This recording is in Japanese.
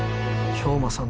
兵馬さん